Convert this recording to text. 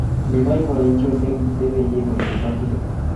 Kibaibaityi olegitebei eng olin bo Tugen